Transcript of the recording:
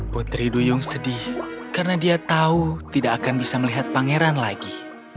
putri duyung sedih karena dia tahu tidak akan bisa melihat pangeran lagi